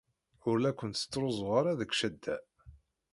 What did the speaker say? Ur la kent-ttruẓuɣ ara deg ccada.